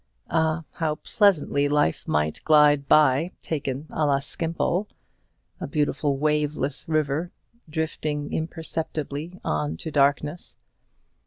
Ah, how pleasantly life might glide by, taken à la Skimpole; a beautiful waveless river, drifting imperceptibly on to darkness!